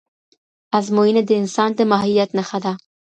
ازموینه د انسان د ماهیت نښه ده.